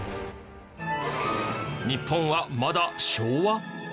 日本はまだ昭和！？